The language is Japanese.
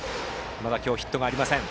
まだ今日はヒットがありません。